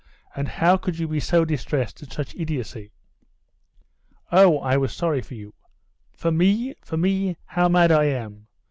And how could you be so distressed at such idiocy?" "Oh, I was sorry for you." "For me? for me? How mad I am!...